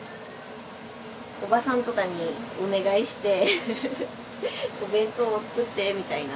おばさんとかにお願いして「お弁当を作って」みたいな。